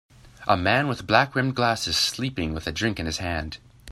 a man with black rimmed glasses sleeping with a drink in his hand